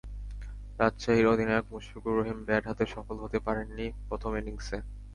রাজশাহীর অধিনায়ক মুশফিকুর রহিম ব্যাট হাতে সফল হতে পারেননি প্রথম ইনিংসে।